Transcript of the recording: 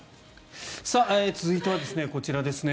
続いては、こちらです。